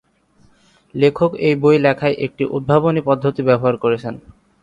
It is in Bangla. লেখক এই বই লেখায় একটি উদ্ভাবনী পদ্ধতি ব্যবহার করেছেন।